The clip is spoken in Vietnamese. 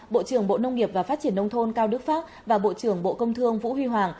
bộ trưởng bộ nông nghiệp và phát triển nông thôn cao đức pháp và bộ trưởng bộ công thương vũ huy hoàng